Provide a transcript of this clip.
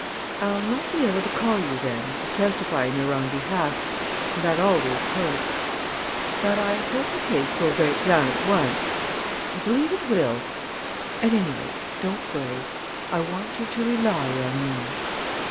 "I'll not be able to call you, then, to testify in your own behalf and that always hurts. But I hope the case will break down at once I believe it will. At any rate, don't worry. I want you to rely on me."